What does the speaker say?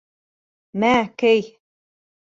Мә, кей!